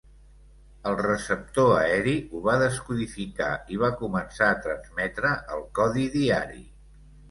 El receptor aeri ho va descodificar i va començar a transmetre el codi diari.